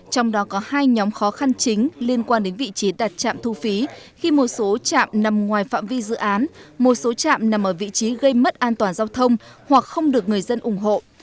trong đó có hai nhóm khó khăn chính liên quan đến vị trí đặt trạm thu phí khi một số chạm nằm ngoài phạm vi dự án một số chạm nằm ở vị trí gây mất an toàn giao thông hoặc không được người dân ủng hộ